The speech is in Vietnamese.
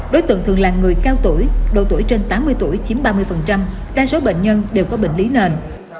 đối tượng thường là người cao tuổi độ tuổi trên tám mươi tuổi chiếm ba mươi đa số bệnh nhân đều có bệnh lý nền